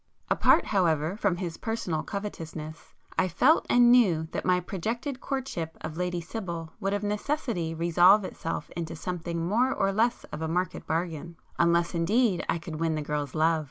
Apart however from his personal covetousness, I felt and knew that my projected courtship of Lady Sibyl would of necessity resolve itself into something more or less of a market bargain, unless indeed I could win the girl's love.